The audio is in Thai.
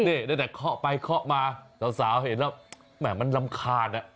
นี่แล้วมันคอไปคอมาสาวเห็นแล้วมันรำคาญ